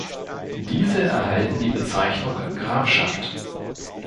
Diese erhalten die Bezeichnung "Grafschaft".